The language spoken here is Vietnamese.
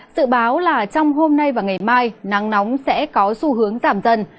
sự báo là trong hôm nay và ngày mai nắng nóng sẽ có xu hướng giảm dần